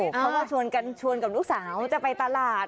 เขาก็ชวนกับลูกสาวจะไปตลาด